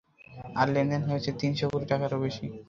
আর লেনদেনে হয়েছে তিনশো কোটি টাকার বেশি।